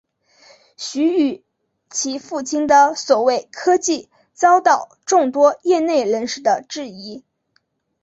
徐与其父亲的所谓科技遭到众多业内人士的质疑。